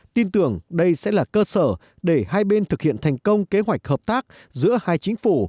tin tưởng đây sẽ là cơ sở để hai bên thực hiện thành công kế hoạch hợp tác giữa hai chính phủ